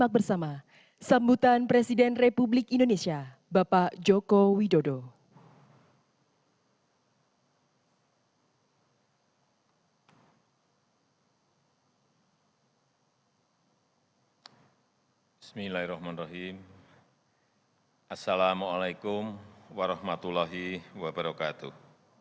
assalamu'alaikum warahmatullahi wabarakatuh